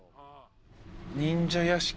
忍者屋敷。